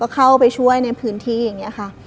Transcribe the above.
เข้าไปช่วยในพื้นที่อย่างนี้ค่ะ